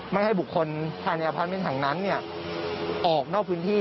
ไม่ให้บุคคลภายในอภัณฑ์เป็นแห่งนั้นเนี่ยออกนอกพื้นที่